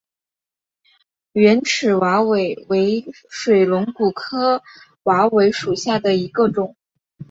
圆齿瓦韦为水龙骨科瓦韦属下的一个种。